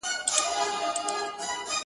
o يا دي مريى کړی نه واى، يا دي پوهولی نه واى!